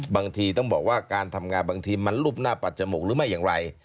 บางทีต้องบอกว่าการทำงานบางทีมันรูปหน้าปัดจมูกหรือไม่อย่างไร